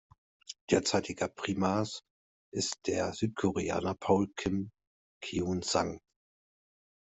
Derzeitiger Primas ist der Südkoreaner Paul Kim Keun-sang.